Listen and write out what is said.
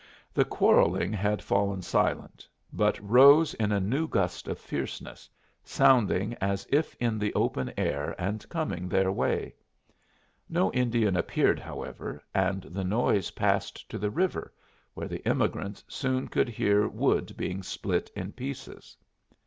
The quarrelling had fallen silent, but rose in a new gust of fierceness, sounding as if in the open air and coming their way. No Indian appeared, however, and the noise passed to the river, where the emigrants soon could hear wood being split in pieces.